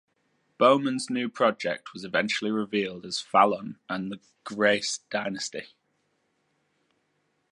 Bowman's new project was eventually revealed as Fallon and the Grace Dynasty.